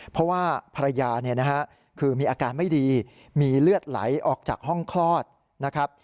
เพราะว่าภรรยาเนี่ยนะฮะคือมีอาการไม่ดีมีเลือดไหลออกจากห้องคลอดนะครับ